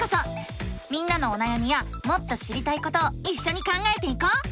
みんなのおなやみやもっと知りたいことをいっしょに考えていこう！